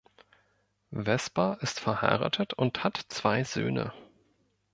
Vesper ist verheiratet und hat zwei Söhne.